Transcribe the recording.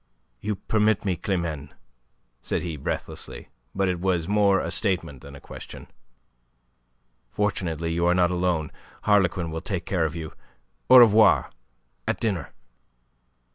"You permit me, Climene?" said he, breathlessly. But it was more a statement than a question. "Fortunately you are not alone. Harlequin will take care of you. Au revoir, at dinner."